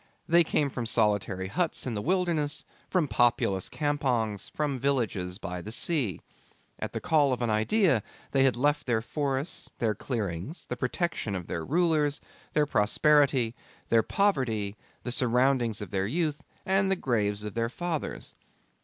They came from solitary huts in the wilderness, from populous campongs, from villages by the sea. At the call of an idea they had left their forests, their clearings, the protection of their rulers, their prosperity, their poverty, the surroundings of their youth and the graves of their fathers.